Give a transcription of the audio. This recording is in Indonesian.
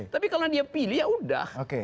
tapi kalau dia pilih ya udah